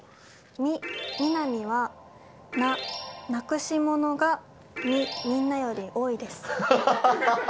み、みなみは、な、なくしものが、み、みんなより多いです。